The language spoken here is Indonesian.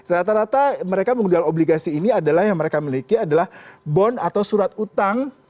rata rata mereka menggunakan obligasi ini adalah yang mereka miliki adalah bond atau surat utang